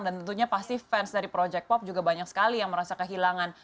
dan tentunya pasti fans dari project pop juga banyak sekali yang merasa kehilangan